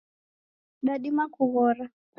Dadima kughora